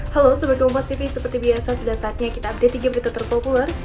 halo sebagai kompastv seperti biasa sudah saatnya kita update tiga berita terpopuler